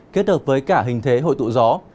kết hợp với cả hình thế hội tụ gió